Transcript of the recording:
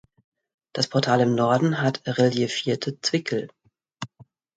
Das Portal im Norden hat reliefierte Zwickel.